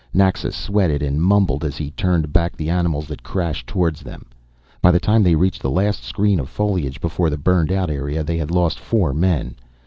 Naxa sweated and mumbled as he turned back the animals that crashed towards them. By the time they reached the last screen of foliage before the burned out area, they had lost four men.